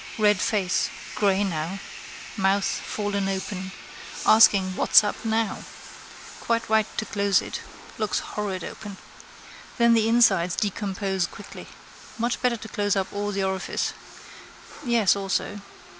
Red face: grey now. Mouth fallen open. Asking what's up now. Quite right to close it. Looks horrid open. Then the insides decompose quickly. Much better to close up all the orifices. Yes, also.